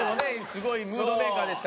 すごいムードメーカーでしたね。